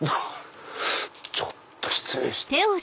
ちょっと失礼して。